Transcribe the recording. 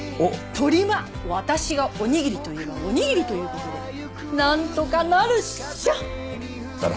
とりま私がおにぎりと言えばおにぎりという事でなんとかなるっしょ！だな。